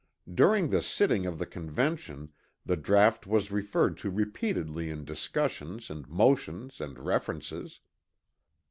During the sitting of the Convention the draught was referred to repeatedly in discussions and motions and references.